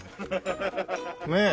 ねえ。